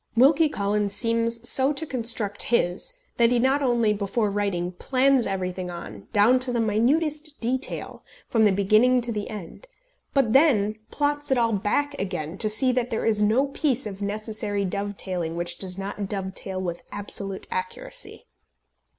Wilkie Collins seems so to construct his that he not only, before writing, plans everything on, down to the minutest detail, from the beginning to the end; but then plots it all back again, to see that there is no piece of necessary dove tailing which does not dove tail with absolute accuracy.